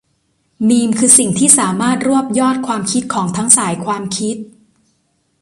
มีมคือสิ่งที่สามารถรวบยอดความคิดของทั้งสายความคิด